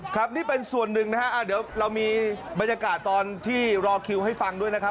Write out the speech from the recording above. ครับนี่เป็นส่วนหนึ่งนะฮะเดี๋ยวเรามีบรรยากาศตอนที่รอคิวให้ฟังด้วยนะครับ